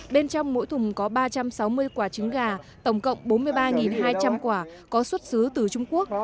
bên trong mỗi thùng có ba trăm sáu mươi quả trứng gà tổng cộng bốn mươi ba hai trăm linh quả có xuất xứ từ trung quốc